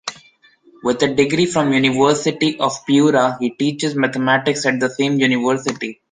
With a degree from the University of Piura, he teaches mathematics at the same university.